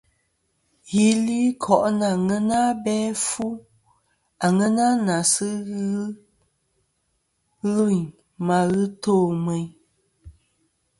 Ghɨ li koʼ nɨ aŋena abe afu, aŋena na sɨ ghɨ lvɨyn ma ghɨ to meyn.